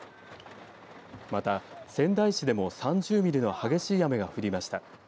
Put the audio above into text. また、仙台市でも３０ミリの激しい雨が降りました。